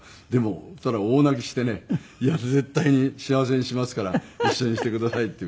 そしたら大泣きしてね「絶対に幸せにしますから一緒にしてください」って言うから。